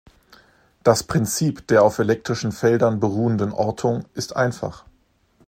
Das Prinzip der auf elektrischen Feldern beruhenden Ortung ist einfach.